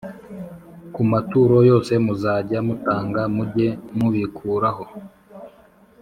Ku maturo yose muzajya mutanga mujye mubikuraho